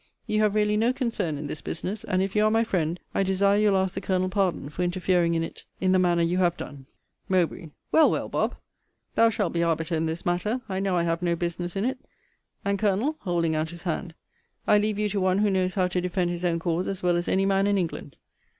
You have really no concern in this business; and if you are my friend, I desire you'll ask the Colonel pardon for interfering in it in the manner you have done. Mowbr. Well, well, Bob.; thou shalt be arbiter in this matter; I know I have no business in it and, Colonel, (holding out his hand,) I leave you to one who knows how to defend his own cause as well as any man in England.